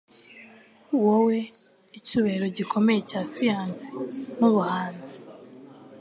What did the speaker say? Wowe icyubahiro gikomeye cya siyansi n'ubuhanzi